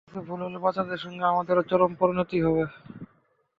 কিছু ভুল হলে, বাচ্চাদের সঙ্গে আমাদেরও চরম পরিণতি হবে।